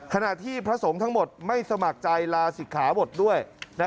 ขณะที่พระสงฆ์ทั้งหมดไม่สมัครใจลาศิกขาบทด้วย